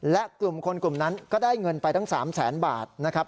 และกลุ่มคนกลุ่มนั้นก็ได้เงินไปทั้ง๓แสนบาทนะครับ